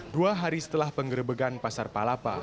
dua hari setelah penggerbegan pasar palapa